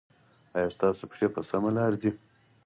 ایا ستاسو پښې په سمه لار ځي؟